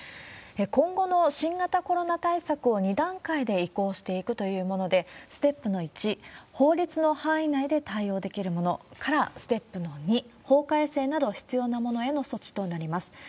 今後の新型コロナ対策を２段階で移行していくというもので、ステップの１、法律の範囲内で対応できるものからステップの２、法改正など必要なものへの措置となります。